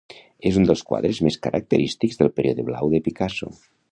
És un dels quadres més característics del Període blau de Picasso.